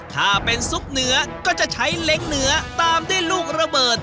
ถ้าเป็นซุปเหนือก็จะใช้เล้งเหนือตามที่รุ่งระเบิด